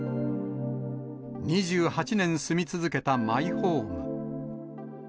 ２８年住み続けたマイホーム。